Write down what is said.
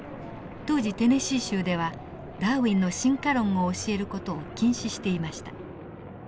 当時テネシー州ではダーウィンの進化論を教える事を禁止していました。